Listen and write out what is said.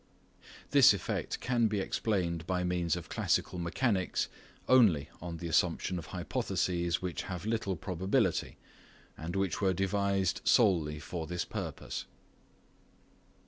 This effect can be explained by means of classical mechanics only on the assumption of hypotheses which have little probability, and which were devised solely for this purponse.